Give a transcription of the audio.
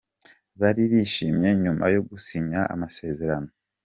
bari bishimye nyuma yo gusinya amasezerano.